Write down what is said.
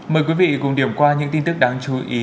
mời quý vị cùng điểm qua những tin tức đáng chú ý